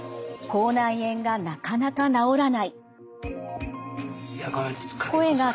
口内炎がなかなか治らない。